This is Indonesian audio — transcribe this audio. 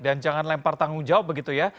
dan jangan lempar tanggung jawab begitu ya